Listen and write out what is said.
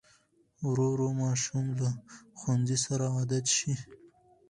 ورو ورو ماشوم له ښوونځي سره عادت شي.